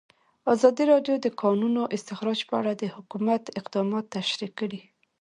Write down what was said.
ازادي راډیو د د کانونو استخراج په اړه د حکومت اقدامات تشریح کړي.